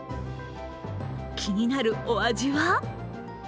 気になるお味は？